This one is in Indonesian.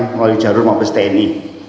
melalui jarum abis tni